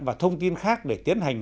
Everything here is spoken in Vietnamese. và thông tin khác để tiến hành